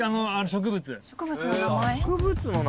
植物の名前？